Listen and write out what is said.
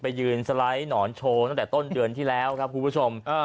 ยืนสไลด์หนอนโชว์ตั้งแต่ต้นเดือนที่แล้วครับคุณผู้ชม